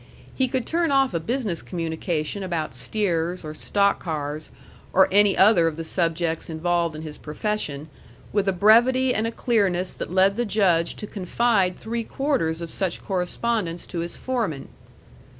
He could turn off a business communication about steers or stock cars, or any other of the subjects involved in his profession, with a brevity and a clearness that led the Judge to confide three quarters of such correspondence to his foreman.